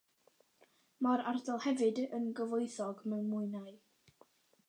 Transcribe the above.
Mae'r ardal hefyd yn gyfoethog mewn mwynau.